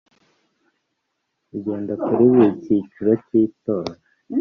bigenda kuri buri cyiciro cy itora